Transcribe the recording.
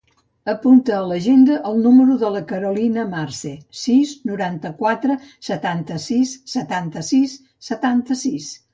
Apunta a l'agenda el número de la Carolina Marce: sis, noranta-quatre, setanta-sis, setanta-sis, setanta-sis.